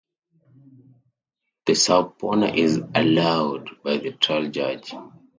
The subpoena is allowed by the trial judge.